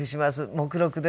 目録です」。